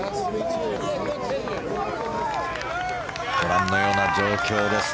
ご覧のような状況です。